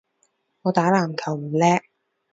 我打籃球唔叻